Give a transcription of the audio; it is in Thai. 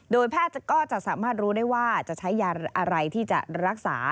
โดยแพทย์ก็จะสามารถรู้ได้ว่าจะใช้ยาอะไรที่จะรักษา